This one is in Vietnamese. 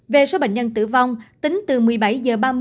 về số bệnh nhân tử vong tính từ một mươi bảy h ba mươi ngày một